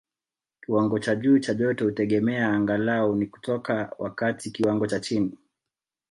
Kiwango cha juu cha joto hutegemea angalau ni kutoka wakati kiwango cha chini